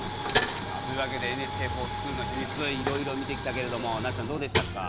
さあというわけで「ＮＨＫｆｏｒＳｃｈｏｏｌ」のヒミツいろいろ見てきたけれどもなっちゃんどうでしたか？